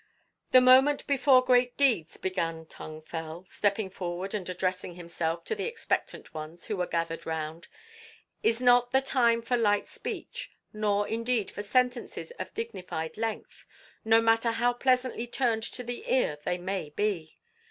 "The moment before great deeds," began Tung Fel, stepping forward and addressing himself to the expectant ones who were gathered round, "is not the time for light speech, nor, indeed, for sentences of dignified length, no matter how pleasantly turned to the ear they may be.